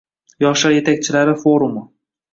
Yoshlar yetakchilari forumi